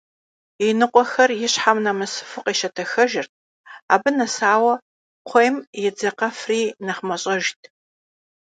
Иныкъуэхэр ищхьэм нэмысыфу къещэтэхыжт, абы нэсауэ кхъуейм едзакъэфри нэхъ мащӀэжт.